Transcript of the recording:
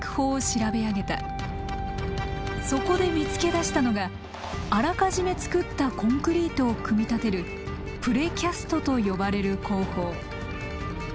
そこで見つけ出したのがあらかじめ作ったコンクリートを組み立てるプレキャストと呼ばれる工法。